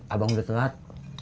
abang udah telat